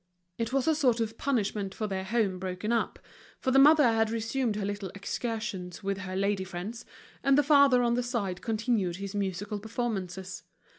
It was a sort of punishment for their home broken up, for the mother had resumed her little excursions with her lady friends, and the father on his side continued his musical performances.